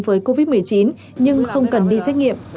với covid một mươi chín nhưng không cần đi xét nghiệm